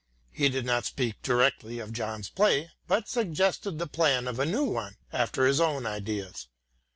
He did not speak directly of John's play but suggested the plan of a new one after his own ideas.